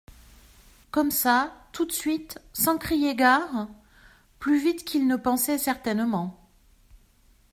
Comme ça, tout de suite, sans crier gare ? Plus vite qu'il ne pensait certainement.